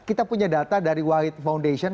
kita punya data dari white foundation